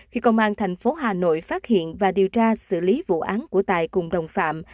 khi công an thành phố hà nội phát hiện và điều tra xử lý vụ án của tài cùng đồng phạm